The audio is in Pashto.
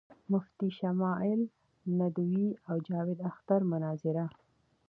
مفتی شمائل ندوي او جاوید اختر مناظره